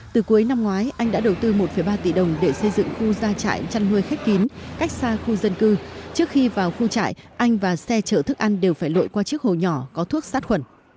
từ cuối năm ngoái anh đã đầu tư một ba tỷ đồng để xây dựng khu gia trại chăn nuôi khép kín cách xa khu dân cư trước khi vào khu trại anh và xe chở thức ăn đều phải lội qua chiếc hồ nhỏ có thuốc sát khuẩn